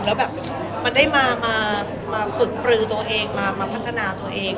แล้วแบบมันได้มาฝึกปลือตัวเองมาพัฒนาตัวเอง